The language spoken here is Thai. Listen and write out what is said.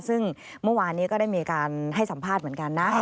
ซึ่งเมื่อวานนี้ก็ได้มีการให้สัมภาษณ์เหมือนกันนะ